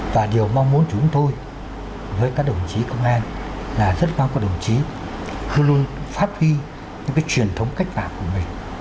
và điều mong muốn chúng tôi với các đồng chí công an là rất vui là các đồng chí luôn phát huy cái truyền thống cách mạng của mình